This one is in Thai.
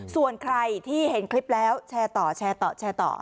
ส่วนใครที่เห็นคลิปแล้วแชร์ต่อแชร์ต่อแชร์ต่อ